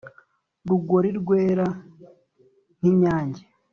Rugori rwera nk’inyange